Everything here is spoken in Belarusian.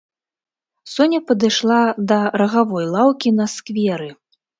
Соня падышла да рагавой лаўкі на скверы.